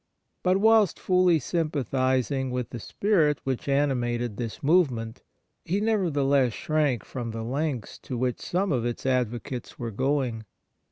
But whilst fully sympathizing with the spirit which animated this movement, he, nevertheless, shrank from the lengths to which some of its advocates were going.